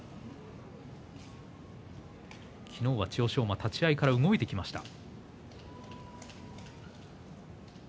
昨日は千代翔馬、立ち合いから動いてきました。